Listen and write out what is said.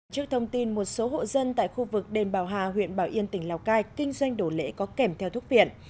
trước thông tin một số hộ dân tại khu vực đền bảo hà huyện bảo yên tỉnh lào cai kinh doanh đồ lễ có kèm theo thuốc viện